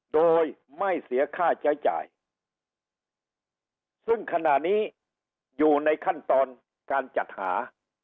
โดยไม่เสียค่าใช้จ่ายซึ่งขณะนี้อยู่ในขั้นตอนการจัดหา